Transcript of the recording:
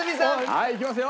はいいきますよ。